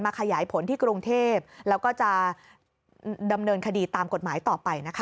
ขยายผลที่กรุงเทพแล้วก็จะดำเนินคดีตามกฎหมายต่อไปนะคะ